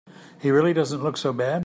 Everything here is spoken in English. He really doesn't look so bad.